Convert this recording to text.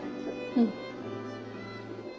うん。